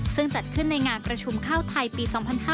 ซึ่งจัดขึ้นในงานประชุมข้าวไทยปี๒๕๕๙